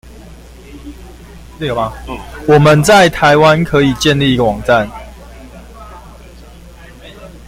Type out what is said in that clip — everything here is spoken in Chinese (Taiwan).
我們在台灣可以建立一個網站